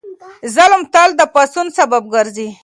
ظلم تل د پاڅون سبب ګرځي.